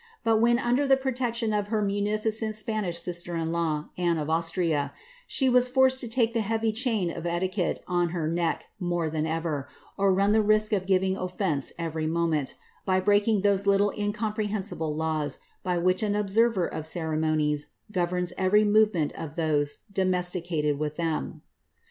But when under the protection of her munificent Spanish sister in law, Anne of Austria, she was forced to take the heavy chain of etiquette on her neck more than ever, or run the risk of giviof oflence every moment, by breaking those little incomprehensible lavs by which an observer of ceremonies governs every movement of those domesticated with them.